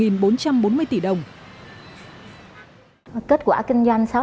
kết quả kinh doanh sẽ là một kết quả rất đáng ghi nhận